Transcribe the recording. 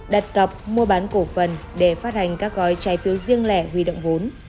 đặt cọc mua bán cổ phần để phát hành các gói trái phiếu riêng lẻ huy động vốn